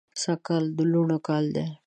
سږ کال د لوڼو کال دی